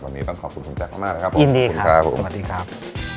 วันนี้ต้องขอบคุณคุณแจกมากนะครับผมขอบคุณครับผมสวัสดีครับอินดีครับ